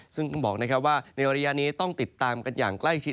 ซึ่งบอกว่าในวันยานี้ต้องติดตามกันอย่างใกล้ทิศ